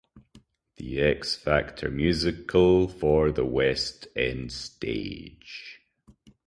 The X Factor Musical for the West End stage.